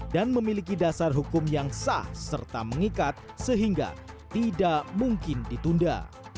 dan memiliki dasar hukum yang sah serta mengikat sehingga tidak mungkin ditunda